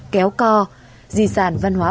kéo co di sản văn hóa